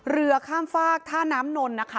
เรือข้ามฝากท่าน้ำนนท์นะคะ